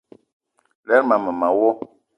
Lerma mema wo.